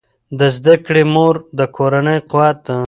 د زده کړې مور د کورنۍ قوت ده.